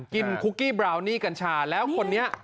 คุกกี้บราวนี่กัญชาแล้วคนนี้